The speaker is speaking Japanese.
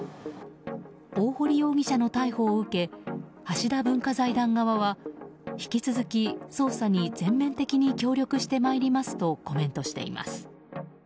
大堀容疑者の逮捕を受け橋田文化財団側は引き続き捜査に全面的に協力してまいりますとコメントしています。